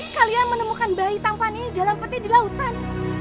jadi kalian menemukan bayi tanpa nih dalam peti di lautan